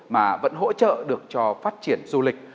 mà vẫn hỗ trợ được cho phát triển du lịch